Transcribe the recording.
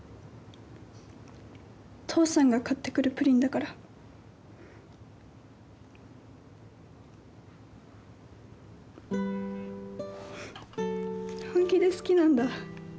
父さんが買ってくるプリンだから本気で好きなんだ